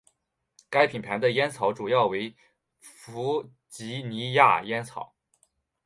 该品牌的烟草主要为弗吉尼亚烟草。